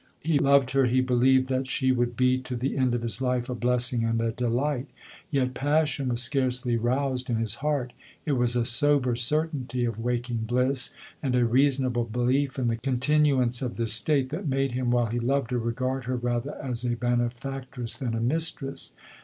He loved her; he be lieved that she would be to the end of his life a blessing and a delight ; yet passion was scarcely roused in his heart ; it was M a sober certainty of waking bliss," and a reasonable belief in the continuance of this state, that made him, while he loved her, regard her rather as a benefac tress than a mistress.